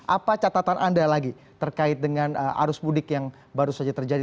apa catatan anda lagi terkait dengan arus mudik yang baru saja terjadi